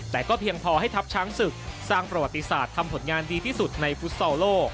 แต่ก็เพียงพอให้ทัพช้างศึกสร้างประวัติศาสตร์ทำผลงานดีที่สุดในฟุตซอลโลก